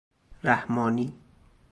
رحمانی